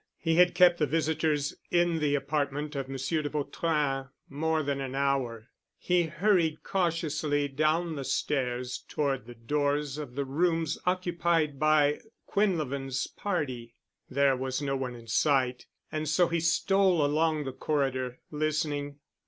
He had kept the visitors in the apartment of Monsieur de Vautrin more than an hour. He hurried cautiously down the stairs toward the doors of the rooms occupied by Quinlevin's party. There was no one in sight and so he stole along the corridor, listening.